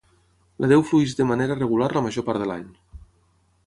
La deu flueix de manera regular la major part de l'any.